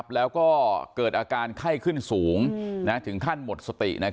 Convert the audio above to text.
แล้วก็เกิดอาการไข้ขึ้นสูงถึงขั้นหมดสติ